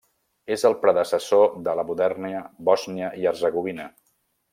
És el predecessor de la moderna Bòsnia i Hercegovina.